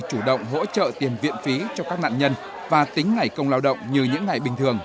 chủ động hỗ trợ tiền viện phí cho các nạn nhân và tính ngày công lao động như những ngày bình thường